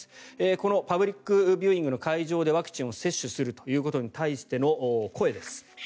このパブリックビューイングの会場でワクチンを接種するということに対しての声です。